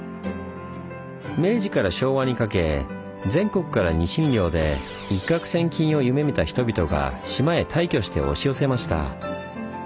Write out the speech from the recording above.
明治から昭和にかけ全国からニシン漁で一獲千金を夢みた人々が島へ大挙して押し寄せました。